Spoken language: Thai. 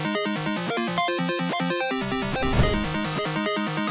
สวัสดีครับ